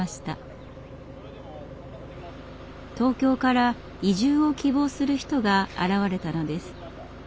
東京から移住を希望する人が現れたのです。